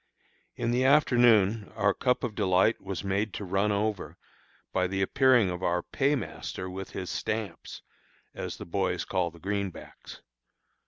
In the afternoon our cup of delight was made to run over by the appearing of our paymaster with his "stamps," as the boys call the greenbacks.